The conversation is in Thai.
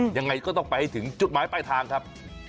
ยังไงก็ต้องไปให้ถึงจุดหมายปลายทางครับ